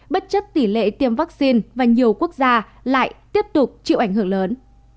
bất chấp tỷ lệ tiêm vaccine và nhiều quốc gia lại tiếp tục chịu ảnh hưởng lớn